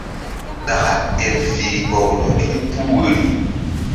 Ɗaka el fih kpoɓrɔ ke puh woyri.